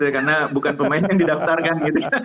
karena bukan pemain yang didaftarkan gitu